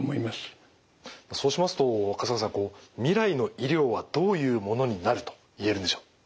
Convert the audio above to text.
そうしますと春日さん未来の医療はどういうものになると言えるんでしょう？